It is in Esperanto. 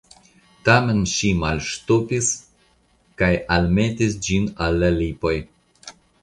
Tamen ŝi malŝtopis kaj almetis ĝin al la lipoj.